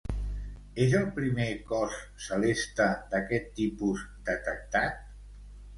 És el primer cos celeste d'aquest tipus detectat?